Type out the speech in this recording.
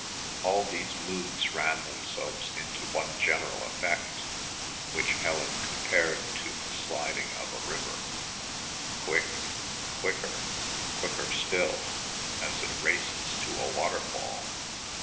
All these moods ran themselves into one general effect, which Helen compared to the sliding of a river, quick, quicker, quicker still, as it races to a waterfall.